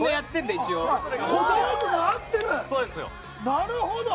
なるほど！